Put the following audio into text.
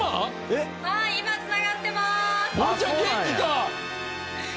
はい今繋がってまーす！